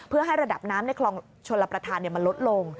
เพื่อให้ระดับน้ำในคลองชลประธานมันลดลง